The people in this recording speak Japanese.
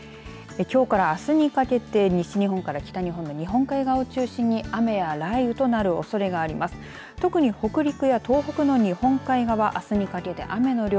きょうからあすにかけて西日本から北日本の日本海側中心に雨や雷雨となるおそれがあります。